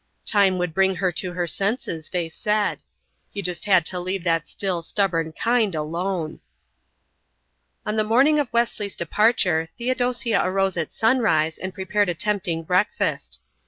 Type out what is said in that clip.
Time would bring her to her senses, they said; you just had to leave that still, stubborn kind alone. On the morning of Wesley's departure Theodosia arose at sunrise and prepared a tempting breakfast.